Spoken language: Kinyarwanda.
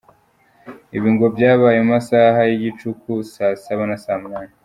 Ibi ngo byabaye mu masaha y’ igicuku ya saa saba na saa munani.